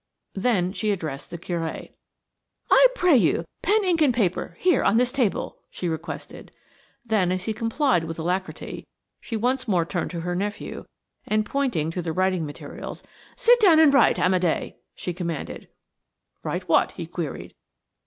Then she addressed the Curé. "I pray you pen, ink and paper–here, on this table," she requested. Then as he complied with alacrity, she once more turned to her nephew, and pointing to the writing materials: "Sit down and write, Amédé," she commanded. "Write what?" he queried.